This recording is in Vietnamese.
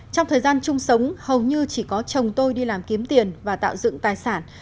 trong thời gian chung sống hầu như chỉ có chồng tôi đi làm kiếm tiền và tạo dựng tài sản